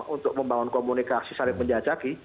untuk membangun komunikasi saling menjajaki